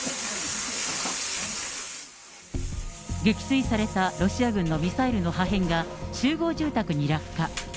撃墜されたロシア軍のミサイルの破片が、集合住宅に落下。